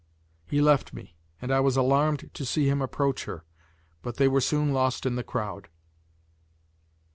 He left me, and I was alarmed to see him approach her. But they were soon lost in the crowd.